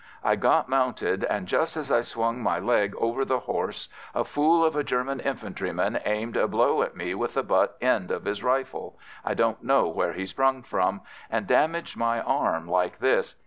I got mounted, and just as I swung my leg over the horse, a fool of a German infantryman aimed a blow at me with the butt end of his rifle I don't know where he sprung from and damaged my arm like this.